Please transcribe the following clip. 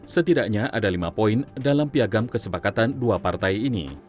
setidaknya ada lima poin dalam piagam kesepakatan dua partai ini